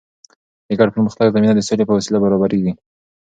د ګډ پرمختګ زمینه د سولې په وسیله برابریږي.